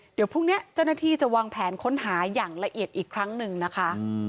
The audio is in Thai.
เดี๋ยวพรุ่งนี้เจ้าหน้าที่จะวางแผนค้นหาอย่างละเอียดอีกครั้งหนึ่งนะคะ